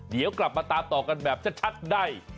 เดี๋ยวกลับมาตามต่อกันแบบชัดได้